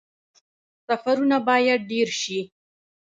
سفرونه باید ډیر شي